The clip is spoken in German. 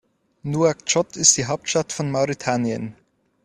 Nouakchott ist die Hauptstadt von Mauretanien.